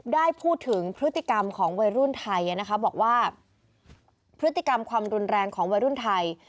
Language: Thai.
ได้พูดถึงพฤติกรรมของวัยรุ่นไทยนะคะบอกว่าพฤติกรรมความรุนแรงของวัยรุ่นไทย